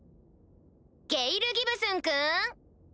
ゲイル・ギブスンくん。